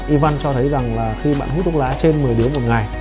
ivan cho thấy rằng là khi bạn hút thuốc lá trên một mươi điếu một ngày